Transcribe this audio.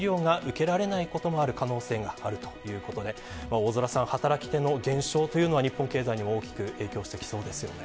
大空さん、働き手の減少というのは日本経済にも大きく影響してきそうですよね。